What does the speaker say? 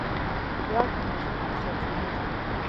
پیاز د انرژۍ ښه سرچینه ده